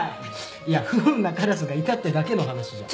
いや不運なカラスがいたってだけの話じゃん。